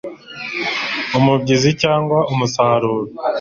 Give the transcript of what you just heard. umubyizi cyangwa umusaruro